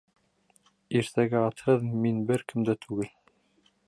Иртәгә атһыҙ мин бер кем дә түгел.